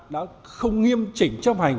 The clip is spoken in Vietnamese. đã không nghiêm chỉnh chấp hành